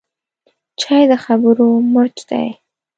چای د خبرو مرچ دی